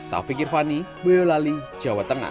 taufik irvani boyolali jawa tengah